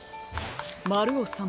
まるおさん。